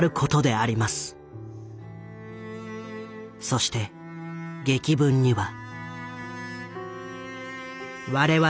そして檄文には。